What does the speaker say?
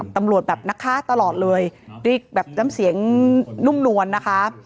ตำรวจแบบนะคะตลอดเลยด้วยแบบน้ำเสียงนุ่มนวลนะคะ